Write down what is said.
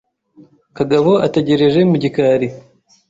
Kagabo ategereje mu gikari.